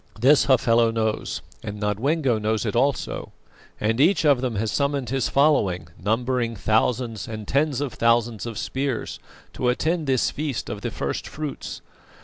This Hafela knows, and Nodwengo knows it also, and each of them has summoned his following, numbering thousands and tens of thousands of spears, to attend this feast of the first fruits.